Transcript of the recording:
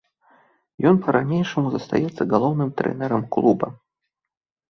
Ён па-ранейшаму застаецца галоўным трэнерам клуба.